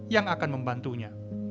yang akan membantunya